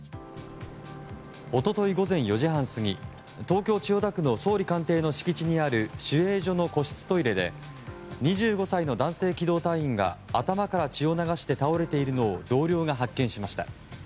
一昨日、午前４時半過ぎ東京・千代田区の総理官邸の敷地にある守衛所の個室トイレで２５歳の男性機動隊員が頭から血を流して倒れているのを同僚が発見しました。